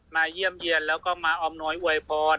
เยี่ยมเยี่ยนแล้วก็มาออมน้อยอวยพร